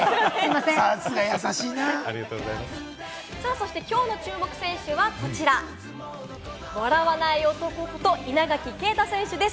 そしてきょうの注目選手はこちら、笑わない男こと稲垣啓太選手です。